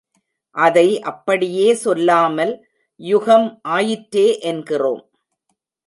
அதை அப்படியே சொல்லாமல் யுகம் ஆயிற்றே என்கிறோம்.